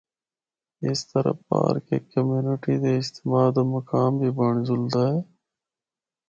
اس طرح پارک ہک کمیونٹی دے اجتماع دا مقام بھی بنڑ جلدا ہے۔